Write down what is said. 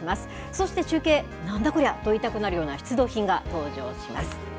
そして中継、なんだこりゃと言いたくなるような出土品が登場します。